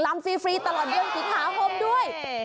ลำฟรีตลอดเยี่ยมถึงขาฮมด้วย